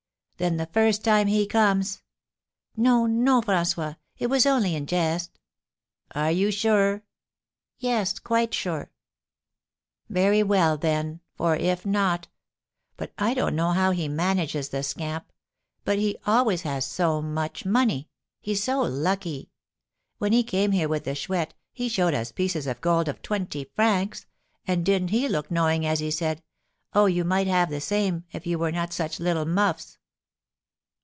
Then, the first time he comes " "No, no, François; it was only in jest." "Are you sure?" "Yes, quite sure." "Very well, then, for, if not But I don't know how he manages, the scamp! But he always has so much money. He's so lucky! When he came here with the Chouette, he showed us pieces of gold of twenty francs; and didn't he look knowing as he said, 'Oh, you might have the same, if you were not such little muffs!'"